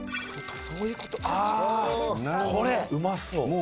「うまそう」